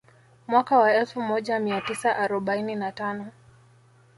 Mwaka wa elfu moja mia tisa arobaini na tano